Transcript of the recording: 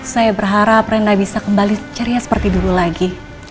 saya berharap renda bisa kembali ceria seperti dulu lagi